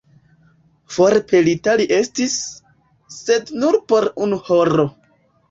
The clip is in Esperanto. Forpelita li estis, sed nur por unu horo.